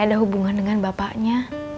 ada hubungan dengan bapaknya